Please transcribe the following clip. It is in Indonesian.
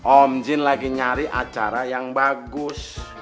om jin lagi nyari acara yang bagus